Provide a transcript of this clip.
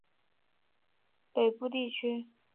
这个区域被分为北边的北部地区。